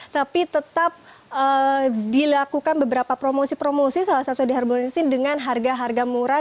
tapi tetap dilakukan beberapa promosi promosi salah satu diharmonisasi dengan harga harga murah